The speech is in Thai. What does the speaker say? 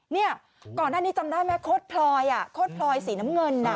เนี่ยก่อนหน้านี้จำได้ไหมโคตรพลอยอ่ะโคตรพลอยสีน้ำเงินน่ะ